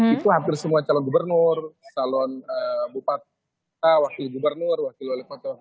itu hampir semua calon gubernur salun bupat wakil gubernur wakil wali kot wakil bupati